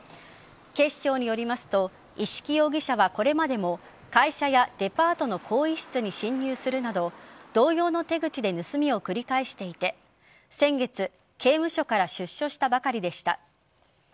警視庁によりますと一色容疑者はこれまでも会社やデパートの更衣室に侵入するなど同様の手口で盗みを繰り返していて先月、刑務所から出所したばかりでした。